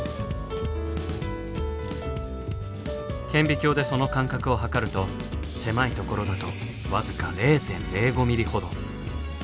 顕微鏡でその間隔を測ると狭いところだと僅か０．０５ミリほど。